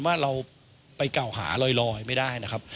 ไม่เก่าหาลอยไม่ได้นะครับ